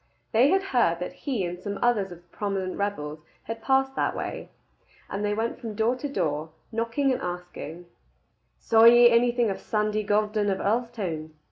They had heard that he and some others of the prominent rebels had passed that way; and they went from door to door, knocking and asking, "Saw ye anything of Sandy Gordon of Earlstoun?"